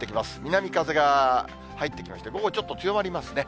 南風が入ってきまして、午後ちょっと強まりますね。